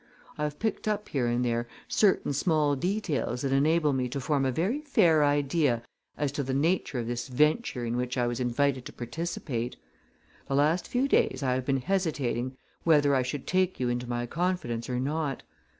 I have picked up here and there certain small details that enable me to form a very fair idea as to the nature of this venture in which I was invited to participate. The last few days I have been hesitating whether I should take you into my confidence or not.